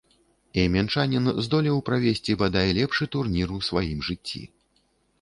І мінчанін здолеў правесці, бадай, лепшы турнір у сваім жыцці.